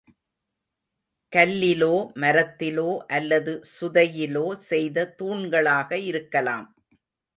கல்லிலோ மரத்திலோ அல்லது சுதையிலோ செய்த தூண்களாக இருக்கலாம்.